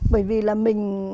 bởi vì là mình